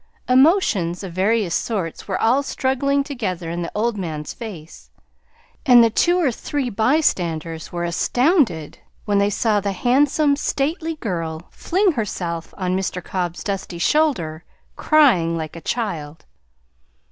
Emotions of various sorts were all struggling together in the old man's face, and the two or three bystanders were astounded when they saw the handsome, stately girl fling herself on Mr. Cobb's dusty shoulder crying like a child.